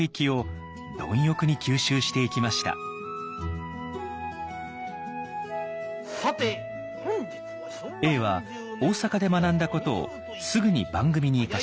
永は大阪で学んだことをすぐに番組に生かします。